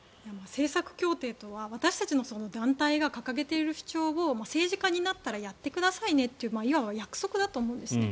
政策協定とは私たちの団体が掲げている情報をやってくださいねといういわば約束だと思うんですね。